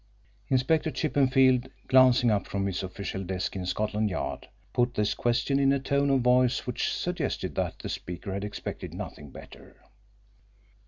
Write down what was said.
Inspector Chippenfield, glancing up from his official desk in Scotland Yard, put this question in a tone of voice which suggested that the speaker had expected nothing better.